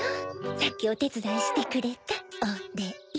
さっきおてつだいしてくれたおれい。